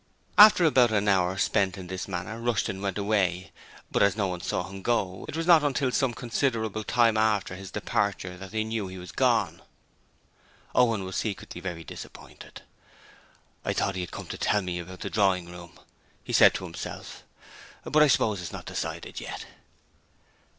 After about an hour spent in this manner Rushton went away, but as no one saw him go, it was not until some considerable time after his departure that they knew that he was gone. Owen was secretly very disappointed. 'I thought he had come to tell me about the drawing room,' he said to himself, 'but I suppose it's not decided yet.'